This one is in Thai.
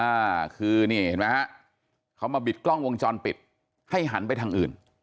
อ่าคือนี่เห็นไหมฮะเขามาบิดกล้องวงจรปิดให้หันไปทางอื่น